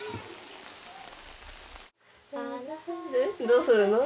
どうするの？